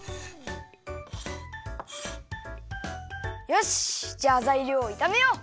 よしじゃあざいりょうをいためよう！